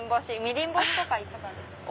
みりん干しとかいかがですか？